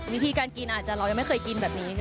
วิธีการกินอาจจะเรายังไม่เคยกินแบบนี้